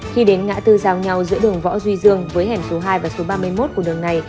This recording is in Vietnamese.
khi đến ngã tư giao nhau giữa đường võ duy dương với hẻm số hai và số ba mươi một của đường này